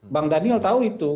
bang daniel tahu itu